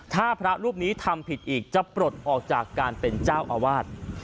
ถ้าพระรูปนี้ทำผิดอีกจะปลดออกจากการเป็นเจ้าอาวาส